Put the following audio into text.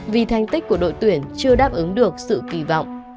vì thành tích của đội tuyển chưa đáp ứng được sự kỳ vọng